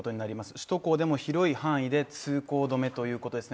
首都高でも広い範囲で通行止めということですね。